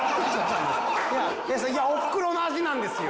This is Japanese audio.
いやおふくろの味なんですよ。